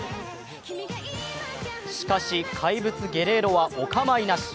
しかし、怪物ゲレーロはお構いなし。